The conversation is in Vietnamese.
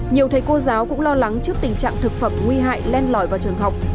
nhiều thầy cô giáo cũng lo lắng trước tình trạng thực phẩm nguy hại len lỏi vào trường học